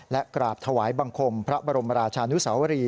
และกราบถวายบังคมพระบรมราชานุสาวรี